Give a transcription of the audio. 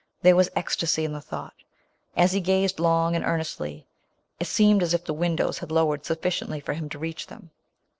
There was ecstasy in the thought As he gazed, long and earnestly, it seem ed as if the windows had lowered sufficiently for him to reach them.